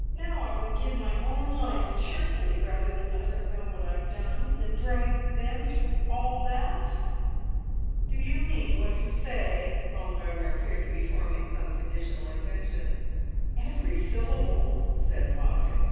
"Now I would give my own life, cheerfully, rather than let her know what I've done—than drag them all through that!" "Do you mean what you say?" Baumgartner appeared to be forming some conditional intention. "Every syllable!" said Pocket.